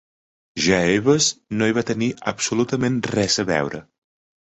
Jeeves no hi va tenir absolutament res a veure.